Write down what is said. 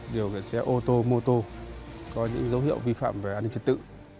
đều gần xe ô tô mô tô có những dấu hiệu vi phạm về an ninh trật tự